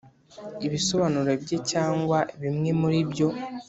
ibisobanuro bye cyangwa bimwe muri byo